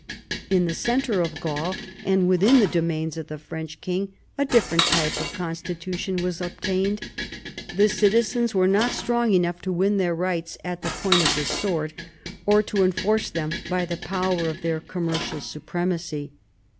In the centre of Gaul, and within the domains of the French king, a different type of con stitution was obtained. The citizens were not strong enough to win their rights at the point of the sword, or to enforce them by the power of their commercial supremacy.